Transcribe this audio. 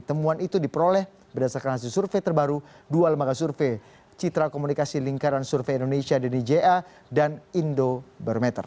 temuan itu diperoleh berdasarkan hasil survei terbaru dua lembaga survei citra komunikasi lingkaran survei indonesia dni ja dan indo barometer